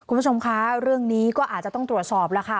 คุณผู้ชมคะเรื่องนี้ก็อาจจะต้องตรวจสอบแล้วค่ะ